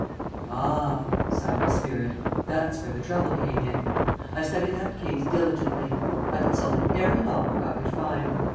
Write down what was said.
"Ah!" sighed the spirit, "there's where the trouble came in. I studied that case diligently. I consulted every law book I could find.